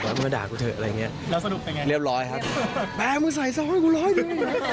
แล้วสนุกเป็นยังไงเรียบร้อยครับแม่มึงใส่ซ้อนให้กูร้อยหนึ่ง